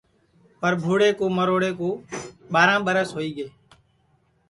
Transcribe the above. پربھوڑے کُو مروڑے ٻاراں ٻرس ہوئی گے